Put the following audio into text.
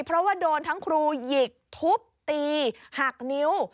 เพราะว่าโดนทั้งครูหยิกทุบตีหักนิ้ว